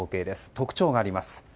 特徴があります。